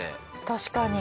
確かに。